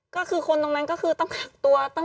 ก็คือคนตรงนั้นก็คือต้องกักตัว